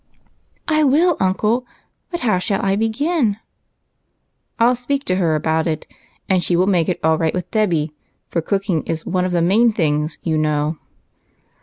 " I will, uncle. But how shall I begin ?"" I '11 speak to her about it, and she will make it all right with Dolly, for cooking is one of the main things, you know."